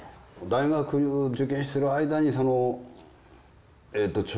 大学受験してる間にその彫刻。